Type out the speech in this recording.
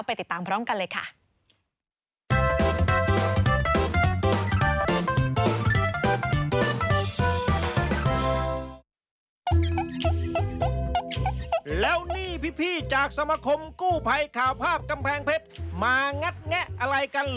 ติดตามพร้อมกันเลยค่ะ